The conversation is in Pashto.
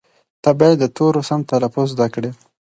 ته باید د تورو سم تلفظ زده کړې.